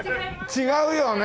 違うよね。